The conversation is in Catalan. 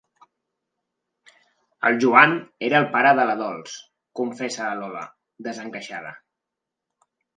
El Joan era el pare de la Dols, confessa la Lola, desencaixada.